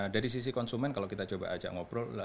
dari sisi konsumen kalau kita coba ajak ngobrol